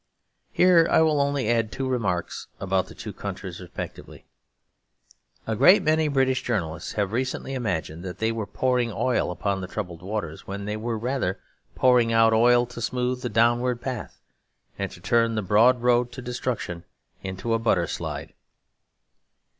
Here I will only add two remarks about the two countries respectively. A great many British journalists have recently imagined that they were pouring oil upon the troubled waters, when they were rather pouring out oil to smooth the downward path; and to turn the broad road to destruction into a butter slide.